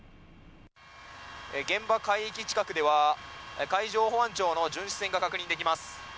現場海域近くでは海上保安庁の巡視船が確認できます。